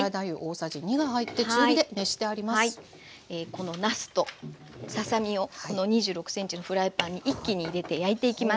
このなすとささ身をこの２６ｃｍのフライパンに一気に入れて焼いていきます。